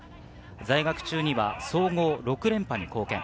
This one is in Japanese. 在学中には総合６連覇に貢献。